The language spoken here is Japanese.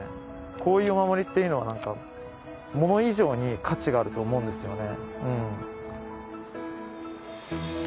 こういうお守りっていうのは物以上に価値があると思うんですよね。